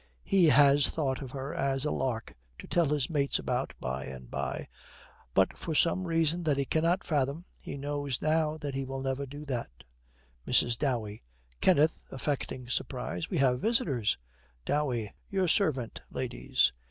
He has thought of her as a lark to tell his mates about by and by; but for some reason that he cannot fathom, he knows now that he will never do that. MRS. DOWEY. 'Kenneth,' affecting surprise, 'we have visitors!' DOWEY. 'Your servant, ladies.'